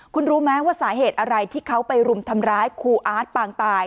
คุณรู้ไหมว่าสาเหตุอะไรที่เขาไปรุมทำร้ายครูอาร์ตปางตาย